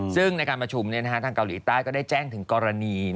ซึ่งในการประชุมทางเกาหลีใต้ก็ได้แจ้งถึงกรณี